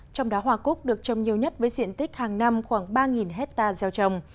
trong đá hoa cúc được trồng nhiều nhất với diện tích hàng năm khoảng ba hectare gieo trồng